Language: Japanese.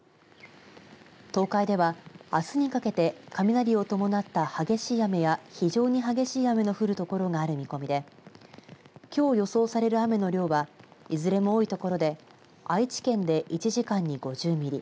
東海ではあすにかけて雷を伴った激しい雨や非常に激しい雨の降るところがある見込みできょう予想される雨の量はいずれも多いところで愛知県で１時間に５０ミリ